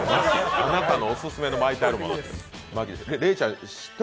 あなたのオススメの巻いてあるものって。